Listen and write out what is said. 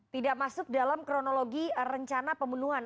tidak masuk dalam kronologi rencana pembunuhan